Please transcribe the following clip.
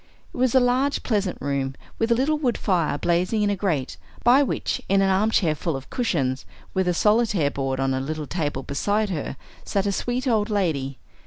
It was a large pleasant room, with a little wood fire blazing in a grate, by which, in an arm chair full of cushions, with a Solitaire board on a little table beside her, sat a sweet old lady.